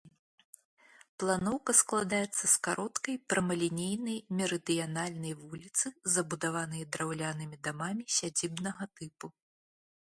Планоўка складаецца з кароткай, прамалінейнай мерыдыянальнай вуліцы, забудаванай драўлянымі дамамі сядзібнага тыпу.